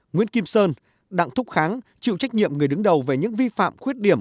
nguyên kim sơn đảng thúc kháng chịu trách nhiệm người đứng đầu về những vi phạm khuyết điểm